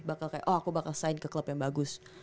bakal kayak oh aku bakal sign ke klub yang bagus